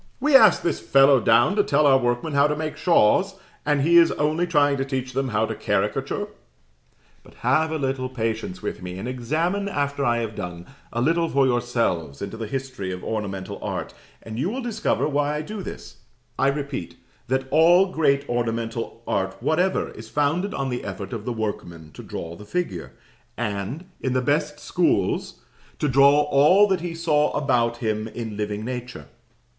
"We asked this fellow down to tell our workmen how to make shawls, and he is only trying to teach them how to caricature." But have a little patience with me, and examine, after I have done, a little for yourselves into the history of ornamental art, and you will discover why I do this. You will discover, I repeat, that all great ornamental art whatever is founded on the effort of the workman to draw the figure, and, in the best schools, to draw all that he saw about him in living nature.